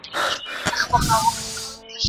پر موږ دا فرض ده، چي د لوڼو په زيږيدلو خوښ واوسو.